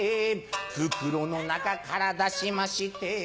袋の中から出しまして